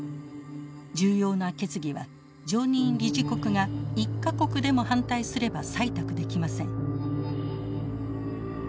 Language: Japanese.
重要な決議は常任理事国が１か国でも反対すれば採択できません。